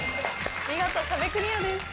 見事壁クリアです。